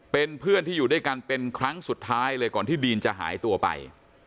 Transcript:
เป็นเพื่อนที่อยู่ด้วยกันเป็นครั้งสุดท้ายเลยก่อนที่ดีนจะหายตัวไป